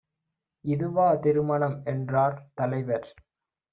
இதுவா திருமணம் என்றார் தலைவர்.